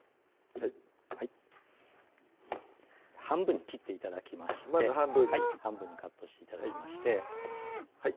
はい半分に切って頂きましてまず半分に半分にカットして頂きましてはい